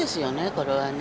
これはね。